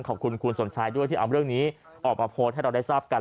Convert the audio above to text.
ขอบคุณคุณสมชายด้วยที่เอาเรื่องนี้ออกมาโพสต์ให้เราได้ทราบกัน